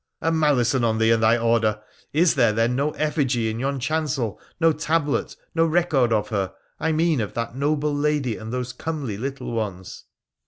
' A malison on thee and thy order ! Is there, then, no effigy in yon chancel, no tablet, no record of her — I mean oi that noble lady and those comely little ones